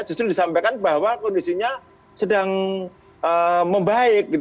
justru disampaikan bahwa kondisinya sedang membaik